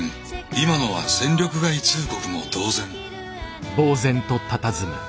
今のは戦力外通告も同然。